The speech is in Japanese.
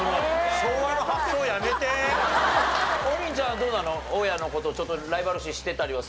王林ちゃんはどうなの？